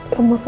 kamu di sini